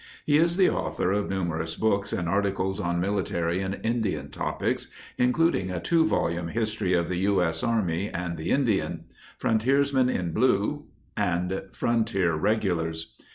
He is the author of numerous books and articles on military and Indian topics, including a two volume history of the U.S. Army and the In dian, Frontiersmen in Blue and Frontier Regulars.